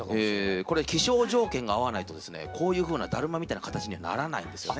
これ気象条件が合わないとですねこういうふうなだるまみたいな形にはならないんですよね。